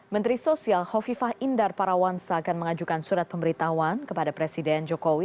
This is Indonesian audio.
menteri sosial hovifah indar parawansa akan mengajukan surat pemberitahuan kepada presiden jokowi